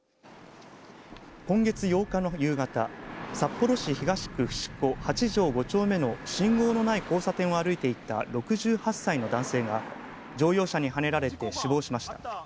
今月８日の夕方札幌市東区伏古８条５丁目の信号のない交差点を歩いていた６８歳の男性が乗用車にはねられて死亡しました。